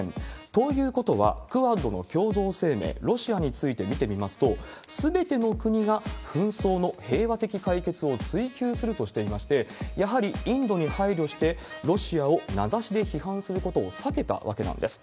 ということは、クアッドの共同声明、ロシアについて見てみますと、すべての国が紛争の平和的解決を追求するとしていまして、やはりインドに配慮して、ロシアを名指しで批判することを避けたわけなんです。